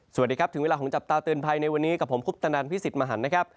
สวัสดีครับถึงเวลาของจับตาเตือนภัยในวันนี้กับผมคุปตนันพิสิทธิ์มหันนะครับ